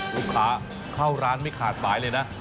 ลูกค้าเข้าร้านไม่ขาดสายเลยนะ